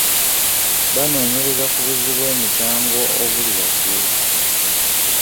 Banoonyereza ku buzzi bw'emisango obuli waggulu .